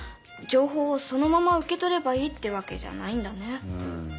情報をそのまま受け取ればいいってわけじゃないんだね。